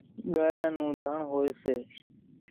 ڳايان نون ڌڻ هوئيَ سي۔